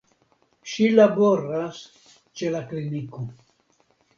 Ŝi laboras ĉe la kliniko.